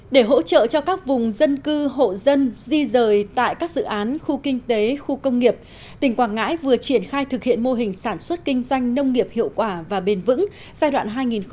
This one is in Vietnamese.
để hỗ trợ cho các vùng dân cư hộ dân di rời tại các dự án khu kinh tế khu công nghiệp tỉnh quảng ngãi vừa triển khai thực hiện mô hình sản xuất kinh doanh nông nghiệp hiệu quả và bền vững giai đoạn hai nghìn một mươi sáu hai nghìn hai mươi